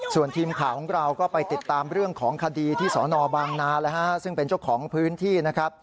ส่วนทีมข่าวของเราก็ไปติดตามเรื่องของคดีที่สนบางนาซึ่งเป็นเจ้าของพื้นที่นะครับ